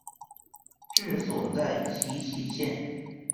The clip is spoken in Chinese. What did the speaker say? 治所在齐熙县。